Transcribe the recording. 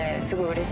すごい。